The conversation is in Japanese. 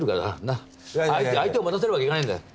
相手を待たせる訳にいかないんだよ。